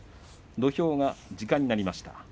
土俵が時間になりました。